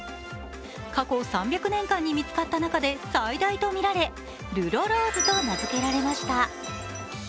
過去３００年間に見つかった中で最大とみられ、ルロ・ローズと名付けられました。